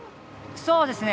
そうですね。